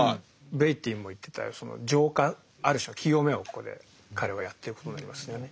ベイティーも言ってたその浄化ある種の清めをここで彼はやってることになりますよね。